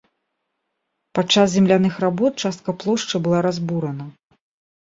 Падчас земляных работ частка плошчы была разбурана.